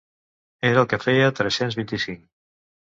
Era el que feia tres-cents vint-i-cinc.